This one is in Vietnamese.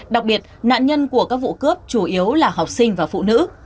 đặc biệt nạn nhân của các vụ cướp chủ yếu là học sinh và phụ nữ